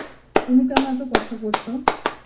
তুমি কেন এতো কষ্ট করছো?